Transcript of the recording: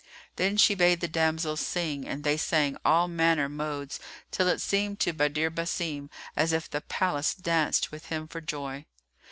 Then she bade the damsels sing, and they sang all manner modes till it seemed to Badr Basim as if the palace danced with him for joy.